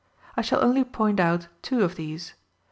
I shall only point out two of these.